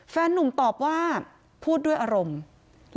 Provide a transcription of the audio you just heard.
แฟนนุ่มตอบว่าพูดด้วยอารมณ์